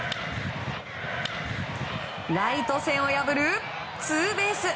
ライト線を破るツーベース。